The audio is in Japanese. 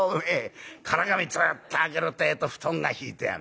唐紙つっと開けるってえと布団が敷いてある。